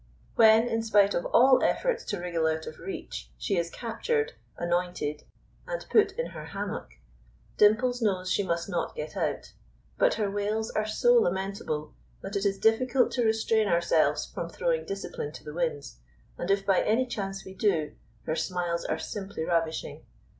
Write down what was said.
When, in spite of all efforts to wriggle out of reach, she is captured, anointed, and put in her hammock, Dimples knows she must not get out; but her wails are so lamentable that it is difficult to restrain ourselves from throwing discipline to the winds, and if by any chance we do, her smiles are simply ravishing.